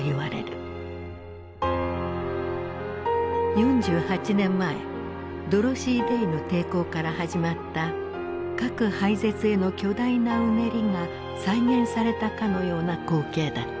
４８年前ドロシー・デイの抵抗から始まった核廃絶への巨大なうねりが再現されたかのような光景だった。